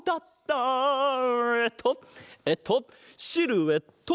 えっとえっとシルエット！